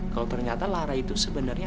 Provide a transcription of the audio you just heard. kalau ternyata lara itu sebenarnya